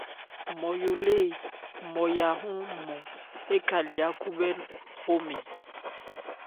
Nmɔyo lê Nmɔya ɔ́nmɔn ékhali ákhúbhɛ́ hromɛn.